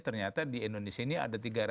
ternyata di indonesia ini ada